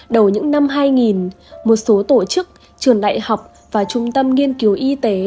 đầu những năm hai nghìn một số tổ chức trường đại học và trung tâm nghiên cứu y tế